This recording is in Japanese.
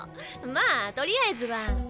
まあとりあえずは。